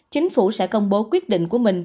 chính phủ sẽ công bố quyết định của một bộ y tế